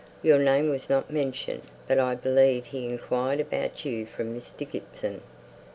Your name was not mentioned, but I believe he inquired about you from Mr. Gibson."